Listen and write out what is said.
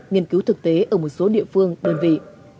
nghiên cứu thực tế ở một số địa phương đơn vị